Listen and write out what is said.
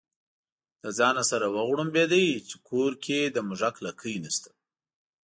له ځانه سره وغړمبېده چې کور کې د موږک لکۍ نشته.